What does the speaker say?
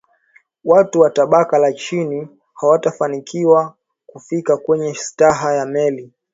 watu wa tabaka la chini hawakufanikiwa kufika kwenye staha ya meli